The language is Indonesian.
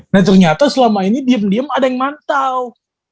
nah ternyata selama ini diem diem ada yang mantau